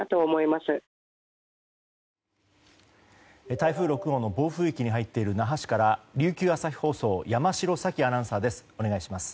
台風６号の暴風域に入っている那覇市から琉球朝日放送山城咲貴アナウンサーです。